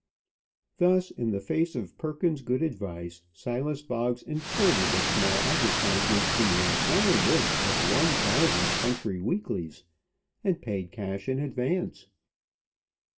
Thus, in the face of Perkins's good advice, Silas Boggs inserted a small advertisement in the entire list of one thousand country weeklies, and paid cash in advance.